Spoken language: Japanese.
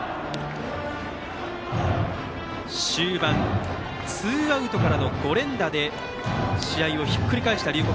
終盤、ツーアウトからの５連打で試合をひっくり返した龍谷